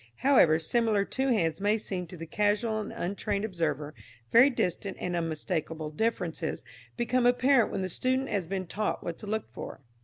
However similar two hands may seem to the casual and untrained observer, very distinct and unmistakable differences become apparent when the student has been taught what to look for.